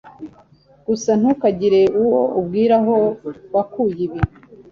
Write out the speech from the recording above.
Gusa ntukagire uwo ubwira aho wakuye ibi.